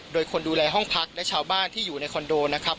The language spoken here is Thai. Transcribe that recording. โดยคนดูแลห้องพักและชาวบ้านที่อยู่ในคอนโดนะครับ